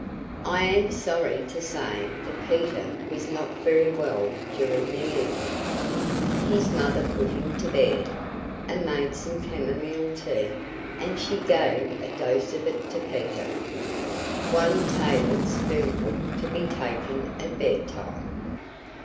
I am sorry to say that Peter was not very well during the evening. His mother put him to bed, and made some camomile tea; and she gave a dose of it to Peter! "One table spoonful to be taken at bed time."